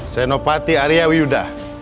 senopati arya wiudah